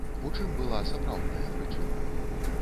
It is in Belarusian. У чым была сапраўдная прычына?